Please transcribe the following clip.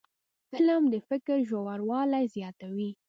فلم د فکر ژوروالی زیاتوي